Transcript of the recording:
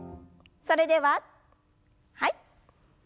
それでははい。